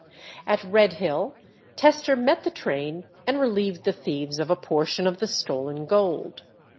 At Redhill Tester met the train and relieved the thieves of a portion of the stolen gold.